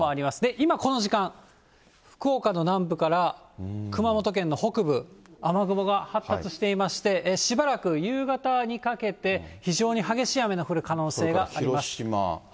今この時間、福岡の南部から熊本県の北部、雨雲が発達していまして、しばらく夕方にかけて非常に激しい雨の降る可能性があります。